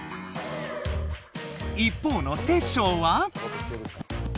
一方のテッショウは？